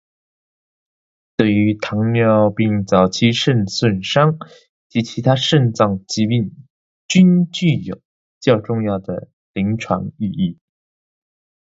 对于糖尿病早期肾损伤及其他肾脏疾病均具有较重要的临床意义。